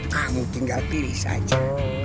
kamu tinggal pilih saja